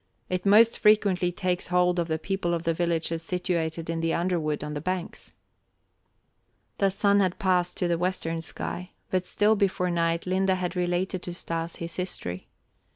It most frequently takes hold of the people of the villages situated in the underwood on the banks." The sun had passed to the western sky, but still before night Linde had related to Stas his history.